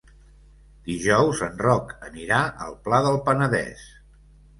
Dijous en Roc anirà al Pla del Penedès.